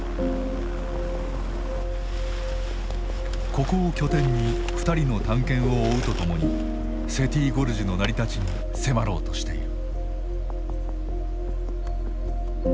ここを拠点に２人の探検を追うとともにセティ・ゴルジュの成り立ちに迫ろうとしている。